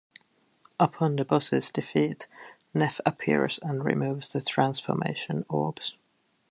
Upon the boss's defeat, Neff appears and removes the transformation orbs.